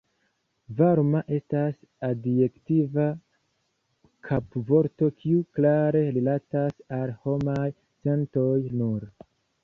Varma estas adjektiva kapvorto kiu klare rilatas al homaj sentoj nur.